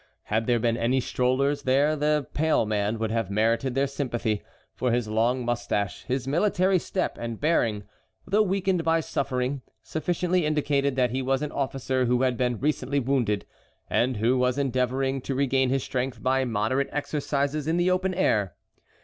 Had there been any strollers there the pale man would have merited their sympathy, for his long mustache, his military step and bearing, though weakened by suffering, sufficiently indicated that he was an officer who had been recently wounded, and who was endeavoring to regain his strength by moderate exercise in the open air.